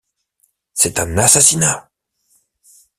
C’est un assassinat !